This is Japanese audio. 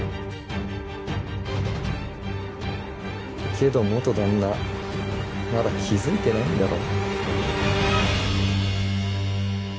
けど元旦那まだ気付いてないんだろ。